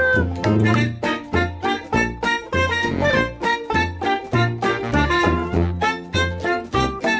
สวัสดีค่ะ